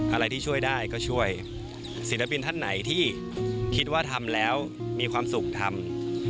อะไรที่ช่วยได้ก็ช่วยศิลปินท่านไหนที่คิดว่าทำแล้วมีความสุขทำ